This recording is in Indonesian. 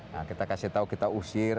nah kita kasih tahu kita usir